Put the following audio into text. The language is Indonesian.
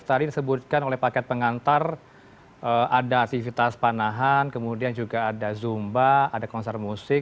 tadi disebutkan oleh paket pengantar ada aktivitas panahan kemudian juga ada zumba ada konser musik